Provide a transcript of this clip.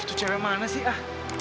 itu cara mana sih ah